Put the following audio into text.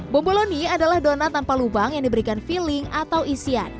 bomboloni adalah donat tanpa lubang yang diberikan filling atau isian